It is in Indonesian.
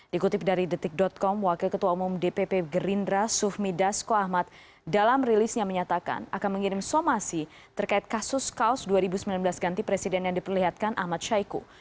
dikutip dari detik com wakil ketua umum dpp gerindra sufmi dasko ahmad dalam rilisnya menyatakan akan mengirim somasi terkait kasus kaos dua ribu sembilan belas ganti presiden yang diperlihatkan ahmad syaiqo